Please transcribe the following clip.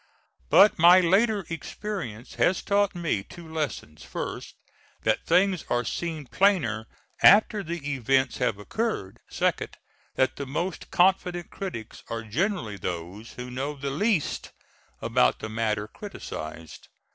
But my later experience has taught me two lessons: first, that things are seen plainer after the events have occurred; second, that the most confident critics are generally those who know the least about the matter criticised.